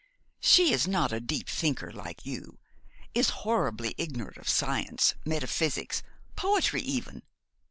She is not a deep thinker like you; is horribly ignorant of science, metaphysics, poetry even.